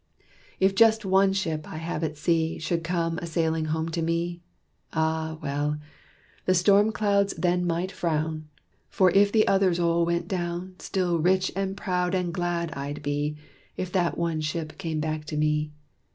"If just one ship I have at sea Should come a sailing home to me, Ah, well! the storm clouds then might frown: For if the others all went down Still rich and proud and glad I'd be, If that one ship came back to me.